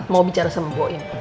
mau bicara sama bu im